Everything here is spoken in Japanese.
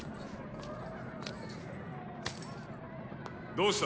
・どうした？